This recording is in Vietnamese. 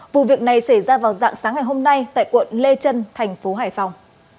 vụ việc này xảy ra vào dạng sáng ngày hôm nay tại quận lê trân thành phố hải phòng